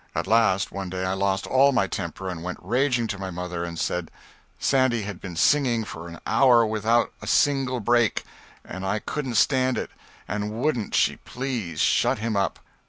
At last, one day, I lost all my temper, and went raging to my mother, and said Sandy had been singing for an hour without a single break, and I couldn't stand it, and wouldn't she please shut him up.